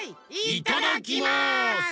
いただきます！